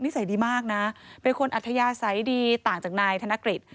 สัยดีมากนะเป็นคนอัธยาศัยดีต่างจากนายธนกฤษ